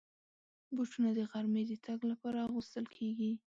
بوټونه د غرمې د تګ لپاره اغوستل کېږي.